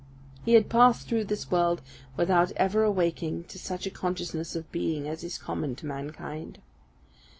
He had passed through this world without ever awaking to such a consciousness of being as is common to mankind.